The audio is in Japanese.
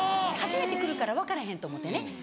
初めて来るから分からへんと思ってね